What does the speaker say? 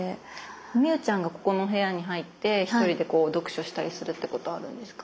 美雨ちゃんがここの部屋に入って１人で読書したりするってことあるんですか？